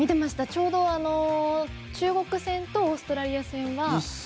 ちょうど中国戦とオーストラリア戦は。